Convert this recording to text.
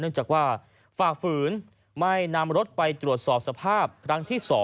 เนื่องจากว่าฝากฝืนใหม่นำรถไปตรวจสอบสภาพครั้งที่๒